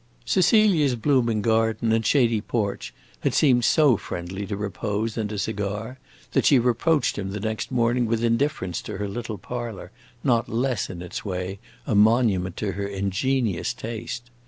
Cecilia's blooming garden and shady porch had seemed so friendly to repose and a cigar, that she reproached him the next morning with indifference to her little parlor, not less, in its way, a monument to her ingenious taste.